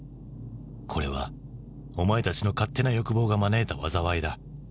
「これはお前たちの勝手な欲望が招いた災いだ」。